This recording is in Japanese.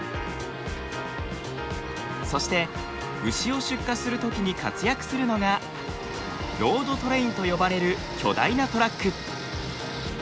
そして牛を出荷するときに活躍するのがロードトレインと呼ばれる巨大なトラック。